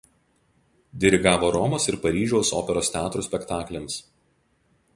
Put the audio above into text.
Dirigavo Romos ir Paryžiaus operos teatrų spektakliams.